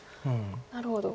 なるほど。